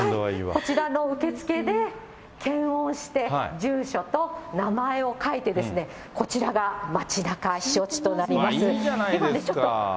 こちらの受付で検温して、住所と名前を書いて、こちらがまちなか避暑地となります。